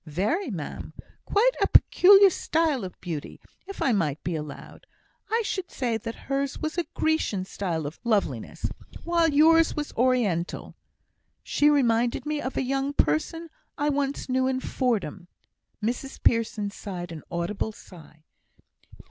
"Very, ma'am. Quite a peculiar style of beauty. If I might be allowed, I should say that hers was a Grecian style of loveliness, while yours was Oriental. She reminded me of a young person I once knew in Fordham." Mrs Pearson sighed an audible sigh.